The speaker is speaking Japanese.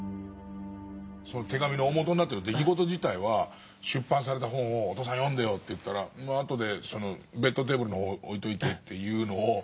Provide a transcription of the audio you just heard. その手紙の大本になってる出来事自体は出版された本を「お父さん読んでよ」と言ったら「後でベッドテーブルに置いといて」と言うのを。